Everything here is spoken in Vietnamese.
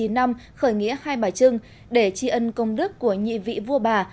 một chín trăm bảy mươi chín năm khởi nghĩa hai bà trưng để tri ân công đức của nhị vị vua bà